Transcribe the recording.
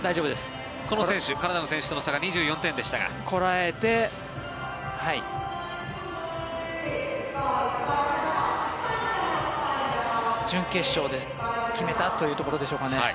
この選手はカナダの選手との差がこらえて準決勝は決めたというところでしょうかね。